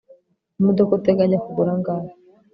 Imodoka uteganya kugura angahe